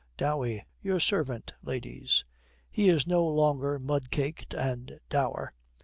DOWEY. 'Your servant, ladies.' He is no longer mud caked and dour.